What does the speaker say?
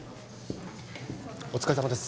お疲れさまです・